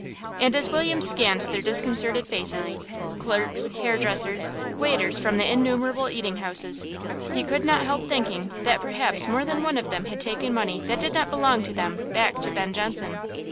And as William scanned their disconcerted faces clerks, hair dressers, waiters from the innumerable eating houses he could not help thinking that perhaps more than one of them had taken money that did not belong to them to back Ben Jonson.